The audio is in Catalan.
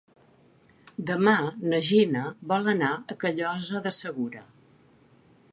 Demà na Gina vol anar a Callosa de Segura.